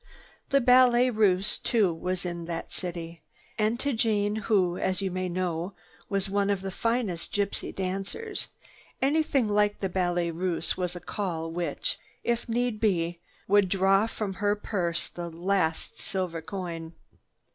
The Ballet Russe, too, was in that city. And to Jeanne who, as you may know, was one of the finest of gypsy dancers, anything like the Ballet Russe was a call which, if need be, would draw from her purse the last silver coin.